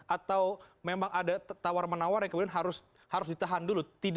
atau memang ada tawar menawar yang kemudian harus ditahan dulu